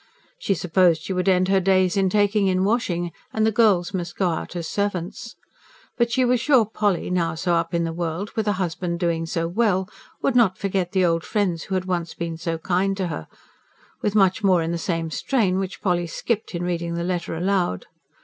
She supposed she would end her days in taking in washing, and the girls must go out as servants. But she was sure Polly, now so up in the world, with a husband doing so well, would not forget the old friends who had once been so kind to her with much more in the same strain, which Polly skipped, in reading the letter aloud.